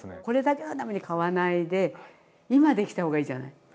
これだけのために買わないで今できた方がいいじゃない？